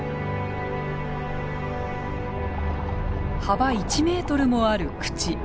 幅１ｍもある口。